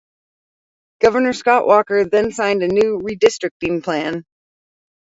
Governor Scott Walker then signed a new redistricting plan.